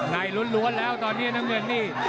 ล้วนแล้วตอนนี้น้ำเงินนี่